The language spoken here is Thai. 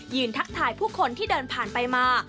ทักทายผู้คนที่เดินผ่านไปมา